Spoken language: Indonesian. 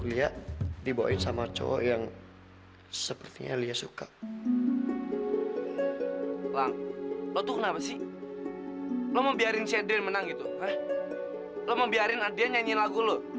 lo mau biarin adrian nyanyiin lagu lo